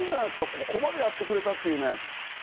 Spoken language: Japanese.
ここまでやってくれたっていうね。